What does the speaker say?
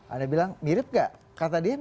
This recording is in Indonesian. anda bilang mirip gak kata dia